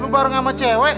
lu bareng sama cewek